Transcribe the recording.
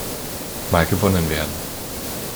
Mal gewonnen werden.